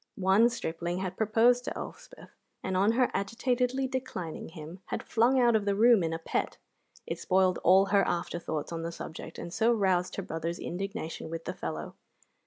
One stripling had proposed to Elspeth, and on her agitatedly declining him, had flung out of the room in a pet. It spoiled all her after thoughts on the subject, and so roused her brother's indignation with the fellow.